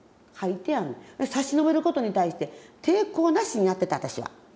差し伸べることに対して抵抗なしにやってた私は。